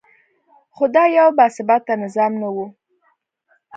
خو دا یو باثباته نظام نه و.